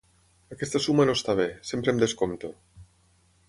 Aquesta suma no està bé: sempre em descompto.